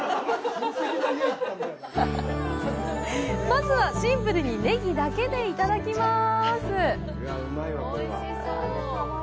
まずは、シンプルにねぎだけで、いただきます。